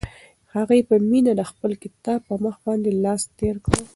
هغې په مینه د خپل کتاب په مخ باندې لاس تېر کړ.